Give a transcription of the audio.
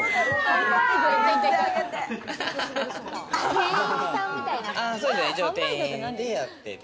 店員さんみたいな感じで。